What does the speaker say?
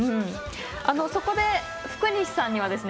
そこで福西さんにはですね